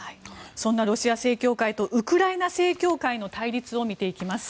そんなロシア正教会とウクライナ正教会の対立を見ていきます。